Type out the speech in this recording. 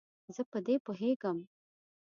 زه په دې پوهیږم.